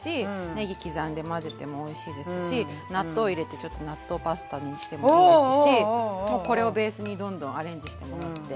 ねぎ刻んで混ぜてもおいしいですし納豆入れて納豆パスタにしてもいいですしもうこれをベースにどんどんアレンジしてもらって。